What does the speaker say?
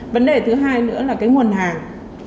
vấn đề thứ hai nữa là nguồn hàng